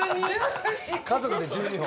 「家族」で１２本。